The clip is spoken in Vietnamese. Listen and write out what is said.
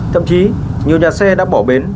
thậm chí nhiều nhà xe đã bỏ bến